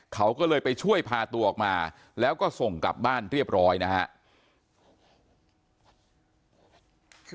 เขาก็เลยไปช่วยพาตัวออกมาแล้วก็ส่งกลับบ้านเรียบร้อยนะครับ